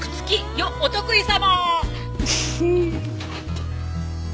よっお得意様。